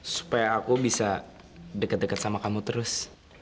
supaya aku bisa deket deket sama kamu terus